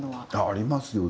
ありますよ